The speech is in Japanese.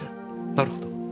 なるほど。